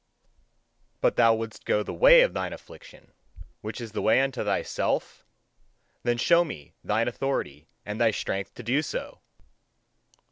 But thou wouldst go the way of thine affliction, which is the way unto thyself? Then show me thine authority and thy strength to do so!